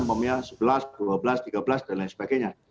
umumnya sebelas dua belas tiga belas dan lain sebagainya